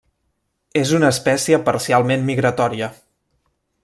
És una espècie parcialment migratòria.